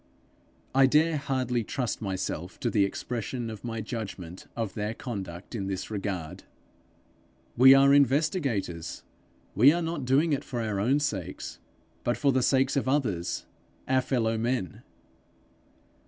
I dare hardly trust myself to the expression of my judgment of their conduct in this regard. 'We are investigators; we are not doing it for our own sakes, but for the sake of others, our fellow men.'